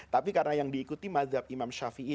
tapi karena yang diikuti madhab imam shafili